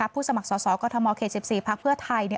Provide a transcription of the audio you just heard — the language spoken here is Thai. ผู้สมัครสอบกฎมเขต๑๔ภักดิ์เพื่อไทย